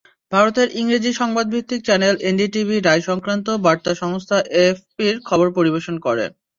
ভারতের ইংরেজি সংবাদভিত্তিক channel NDTV রায়-সংক্রান্ত বার্তা সংস্থা এএফপির খবর পরিবেশন করে।